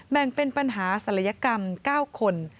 แบ่งเป็นปัญหาศัลยกรรม๙คน